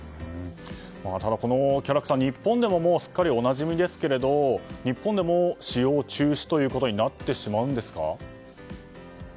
ただ、このキャラクターは日本でもすっかりおなじみですけど日本でも使用中止ということになってしまうんですか？